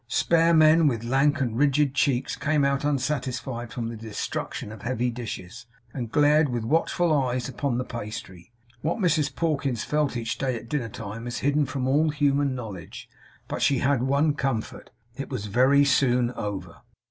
Spare men, with lank and rigid cheeks, came out unsatisfied from the destruction of heavy dishes, and glared with watchful eyes upon the pastry. What Mrs Pawkins felt each day at dinner time is hidden from all human knowledge. But she had one comfort. It was very soon over.